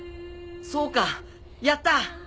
そうかやった！